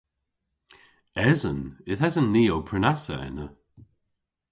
Esen. Yth esen ni ow prenassa ena.